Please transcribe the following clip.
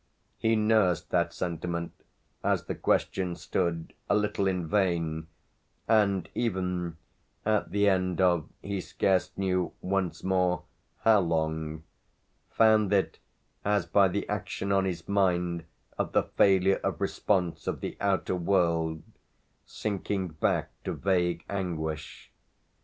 He nursed that sentiment, as the question stood, a little in vain, and even at the end of he scarce knew, once more, how long found it, as by the action on his mind of the failure of response of the outer world, sinking back to vague anguish.